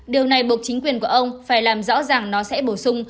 điều này buộc chính quyền của ông phải làm rõ ràng nó sẽ bổ sung